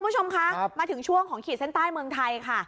คุณผู้ชมคะมาถึงช่วงของขีดเส้นใต้เมืองไทยค่ะ